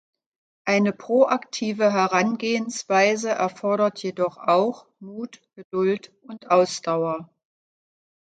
Eine proaktive Herangehensweise erfordert jedoch auch Mut, Geduld und Ausdauer.